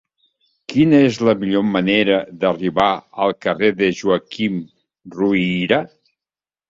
Quina és la millor manera d'arribar al carrer de Joaquim Ruyra?